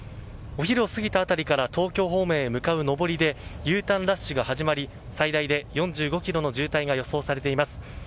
お昼を過ぎた辺りから東京方面へ向かう上りでＵターンラッシュが始まり最大で４５ｋｍの渋滞が予想されています。